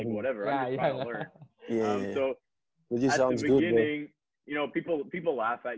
gue cuma pengen belajar